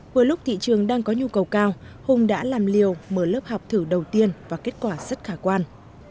vừa lúc thị trường đang có nhu cầu cao hùng đã làm liều mở lớp học thử đầu tiên và kết quả rất khả quan